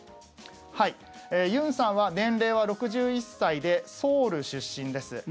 ユンさんは年齢は６１歳でソウル出身です。